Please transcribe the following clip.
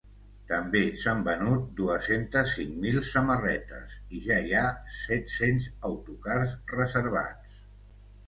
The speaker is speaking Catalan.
També s’han venut dues-centes cinc mil samarretes i ja hi ha set-cents autocars reservats.